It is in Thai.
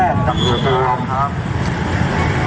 ข้างล่างนอกค่อนข้างแคบ